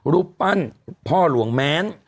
รูปปั้นพ่อหลวงแม้น